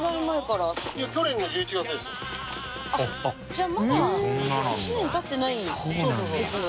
じゃあまだ１年たってないんですね。